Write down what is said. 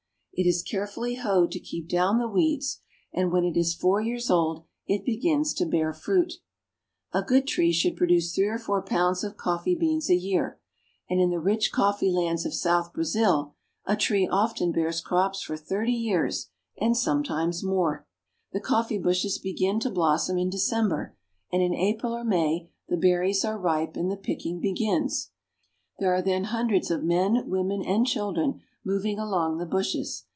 It is carefully hoed to keep down the weeds, and when it is four years old it begins to bear fruit. A good tree should produce three or four pounds of coffee beans a year, and in the rich cofTee lands of South Brazil a tree often bears crops for thirty years, and sometimes more. THE LAND OF COFFEE. 263 The coffee bushes begin to blossom in December, and in April or May the berries are ripe and the picking begins. There are then hundreds of men, women, and children moving among the bushes.